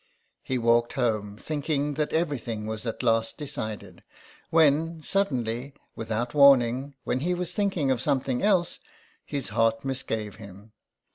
He walked home, thinking that everything was at last decided, when suddenly, without warning, when he was thinking of something else, his heart misgave him.